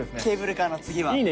ケーブルカーの次は。